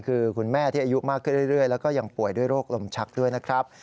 คือคุณแม่ที่อายุมากขึ้นเรื่อยแล้วก็ยังป่วยด้วยโรคลมชักด้วยนะครับ